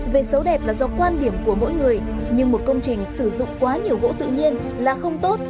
về dấu đẹp là do quan điểm của mỗi người nhưng một công trình sử dụng quá nhiều gỗ tự nhiên là không tốt